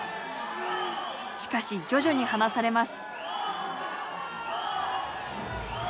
しかし徐々に離されます。